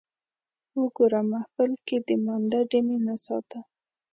وګوره محفل کې د مانده ډمې نڅا ته